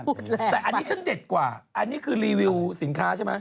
แต่อันนี้ฉันเด็ดกว่าอันนี้คือรีวิวสินค้าใช่ไหม